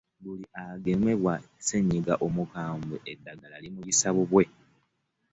Buli agemebwa ssenyiga omukambwe eddagala limuyisa bubwe.